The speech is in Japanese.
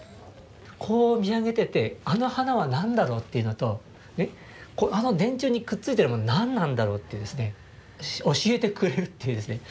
こう見上げててあの花は何だろう？というのとあの電柱にくっついてるもの何なんだろう？というですね教えてくれるというですね。